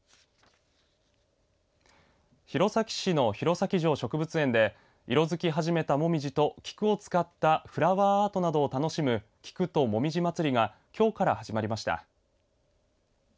弘前市の弘前城植物園で色づき始めた紅葉と菊を使ったフラワーアートなどを楽しむ菊と紅葉まつりがきょうから始まりました。